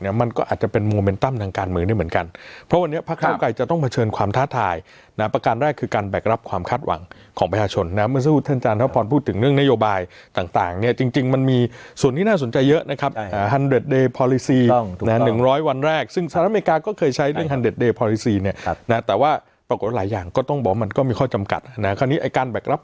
ยุทธพรอาจารย์ยุทธพรอาจารย์ยุทธพรอาจารย์ยุทธพรอาจารย์ยุทธพรอาจารย์ยุทธพรอาจารย์ยุทธพรอาจารย์ยุทธพรอาจารย์ยุทธพรอาจารย์ยุทธพรอาจารย์ยุทธพรอาจารย์ยุทธพรอาจารย์ยุทธพรอาจารย์ยุทธพรอาจารย์ยุทธพรอาจ